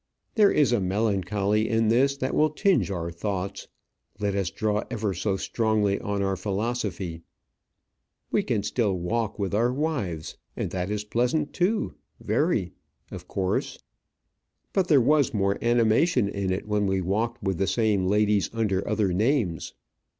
There is a melancholy in this that will tinge our thoughts, let us draw ever so strongly on our philosophy. We can still walk with our wives; and that is pleasant too, very of course. But there was more animation in it when we walked with the same ladies under other names.